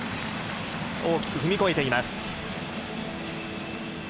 大きく踏み越えています。